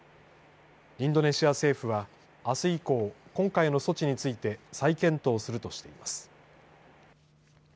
インドネシア政府は、あす以降今回の措置について再検討するとしています。